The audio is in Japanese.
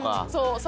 そう。